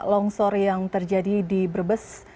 longsor yang terjadi di brebes